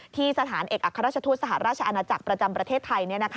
สถานเอกอัครราชทูตสหราชอาณาจักรประจำประเทศไทย